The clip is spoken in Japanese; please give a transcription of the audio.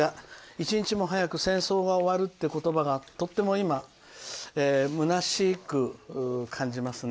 一日も早く戦争が終わるって言葉がとっても今むなしく感じますね。